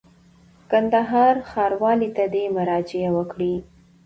کندهار ښاروالۍ ته دي مراجعه وکړي.